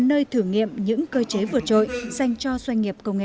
nơi thử nghiệm những cơ chế vượt trội dành cho doanh nghiệp công nghệ